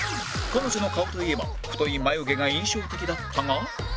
彼女の顔といえば太い眉毛が印象的だったが